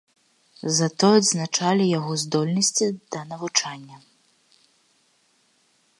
Затое адзначалі яго здольнасці да навучання.